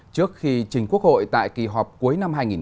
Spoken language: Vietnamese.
trước khi trình quốc hội tại kỳ họp cuối năm hai nghìn hai mươi